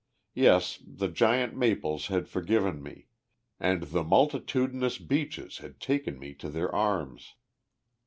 Yes! the giant maples had forgiven me, and the multitudinous beeches had taken me to their arms.